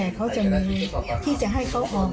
แต่เขาจะมีที่จะให้เขาออก